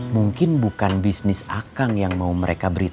mungkin bukan bisnis akang yang mau mereka berita